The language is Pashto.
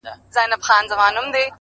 o څنگه دي هېره كړمه؛